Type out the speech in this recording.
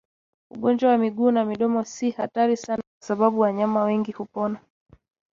Ugonjwa wa miguu na midomo si hatari sana kwa sababu wanyama wengi hupona